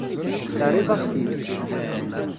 Terriḍ-as-t-id.